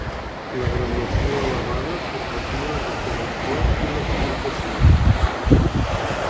La graduació elevada permetia la conservació i l'exportació.